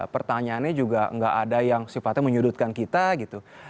pertanyaannya juga nggak ada yang sifatnya menyudutkan kita gitu